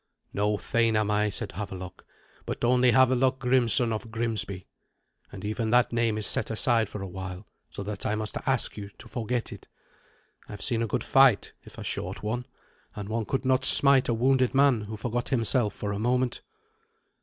"No thane am I," said Havelok, "but only Havelok Grimsson of Grimsby. And even that name is set aside for a while, so that I must ask you to forget it. I have seen a good fight, if a short one, and one could not smite a wounded man who forgot himself for a moment."